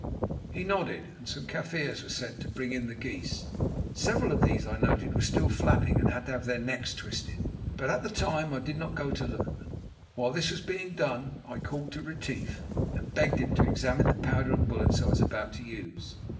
He nodded, and some Kaffirs were sent to bring in the geese. Several of these, I noted, were still flapping and had to have their necks twisted, but at the time I did not go to look at them. While this was being done I called to Retief, and begged him to examine the powder and bullets I was about to use.